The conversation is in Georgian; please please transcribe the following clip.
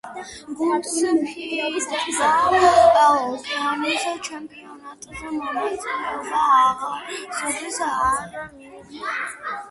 გუნდს ფიბა ოკეანეთის ჩემპიონატზე მონაწილეობა არასოდეს არ მიუღია.